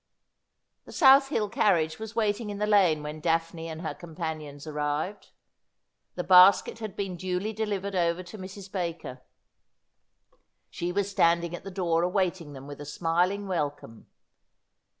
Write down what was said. The South Hill carriage was waiting in the lane when Daphne and her companions arrived. The basket had been duly de livered over to Mrs. Baker. She was standing at the door await ing them with a smiling welcome.